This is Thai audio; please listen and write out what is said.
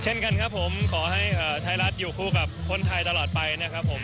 เช่นกันครับผมขอให้ไทยรัฐอยู่คู่กับคนไทยตลอดไปนะครับผม